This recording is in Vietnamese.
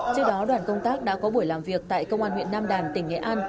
trước đó đoàn công tác đã có buổi làm việc tại công an huyện nam đàn tỉnh nghệ an